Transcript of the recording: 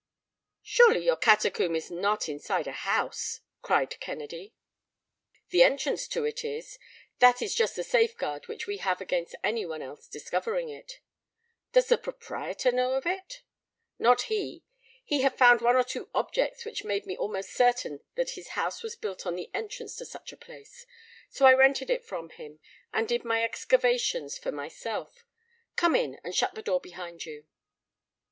"Surely your catacomb is not inside a house!" cried Kennedy. "The entrance to it is. That is just the safeguard which we have against anyone else discovering it." "Does the proprietor know of it?" "Not he. He had found one or two objects which made me almost certain that his house was built on the entrance to such a place. So I rented it from him, and did my excavations for myself. Come in, and shut the door behind you."